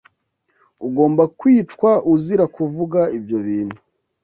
ugomba kwicwa uzira kuvuga ibyo bintu